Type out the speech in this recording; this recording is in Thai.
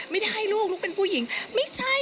ไม่ได้ลูกลูกเป็นผู้หญิงไม่ใช่